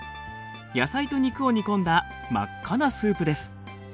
野菜と肉を煮込んだ真っ赤なスープです。